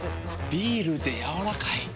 ビールでやわらかい。